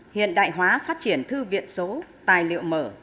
hiện đại hóa phát triển thư viện số tài liệu mở